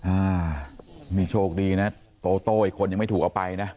อ่านี่โชคดีนะโตโต้อีกคนยังไม่ถูกเอาไปนะ